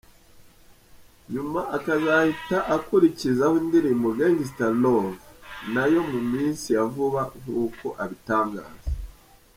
Nyuma akazahita akurikizaho indirimbo Gangstar Love, nayo mu minsi ya vuba nk’uko abitangaza.